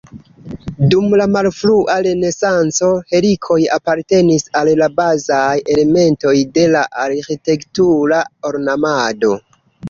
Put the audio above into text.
Dum la malfrua renesanco helikoj apartenis al la bazaj elementoj de la arĥitektura ornamado.